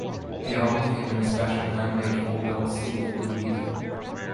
The album came in a special hand-made fold-out sleeve with leaf.